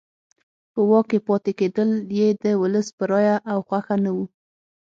په واک کې پاتې کېدل یې د ولس په رایه او خوښه نه وو.